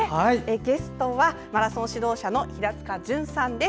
ゲストはマラソン指導者の平塚潤さんです。